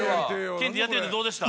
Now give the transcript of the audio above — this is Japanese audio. ケンティーやってみてどうでした？